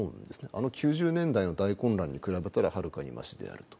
あの９０年代の大混乱に比べたらはるかにましであると。